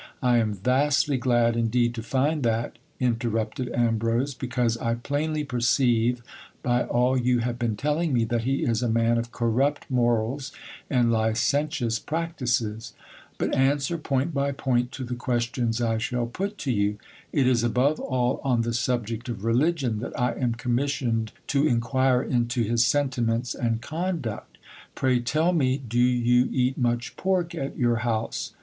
. I am vastly glad indeed to find that, interrupted Ambrose, because I plainly perceive, by all you have been telling me, that he is a man of corrupt morals and licentious practices. But answer point by point to the questions I shall put to you. It is above all on the subject of religion that I am commissioned to inquire into his sentiments and conduct Pray tell me, do you eat much pork at your house